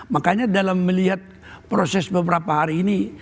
makanya dalam melihat proses beberapa hari ini